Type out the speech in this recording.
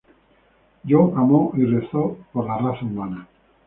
John amó y rezó por la raza humana.